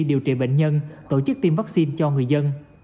điều trị bệnh nhân tổ chức tiêm vaccine cho người dân